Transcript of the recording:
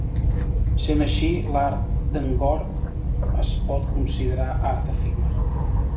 Sent així, l'art d'en Gord es pot considerar art efímer.